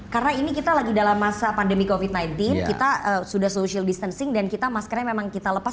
karena ini kita lagi dalam masa pandemi covid sembilan belas kita sudah social distancing dan maskernya memang kita lepas